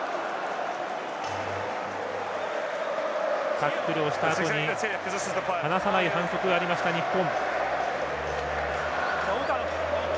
タックルをしたあとに離さない反則がありました、日本。